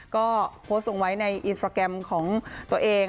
ก็โพสต์ลงไว้ในอินสตราแกรมของตัวเอง